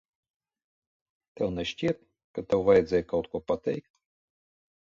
Tev nešķiet, ka tev vajadzēja kaut ko pateikt?